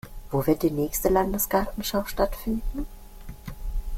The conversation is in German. Wo wird die nächste Landesgartenschau stattfinden?